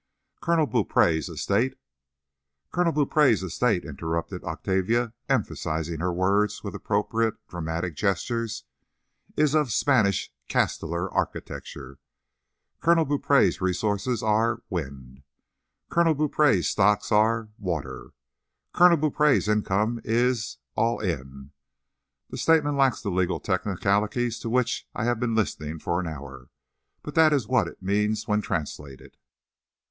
Colonel Beaupree's estate—" "Colonel Beaupree's estate," interrupted Octavia, emphasizing her words with appropriate dramatic gestures, "is of Spanish castellar architecture. Colonel Beaupree's resources are—wind. Colonel Beaupree's stocks are—water. Colonel Beaupree's income is—all in. The statement lacks the legal technicalities to which I have been listening for an hour, but that is what it means when translated."